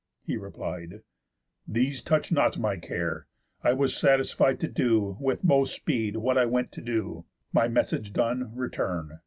He replied: "These touch not my care. I was satisfied To do, with most speed, what I went to do; My message done, return.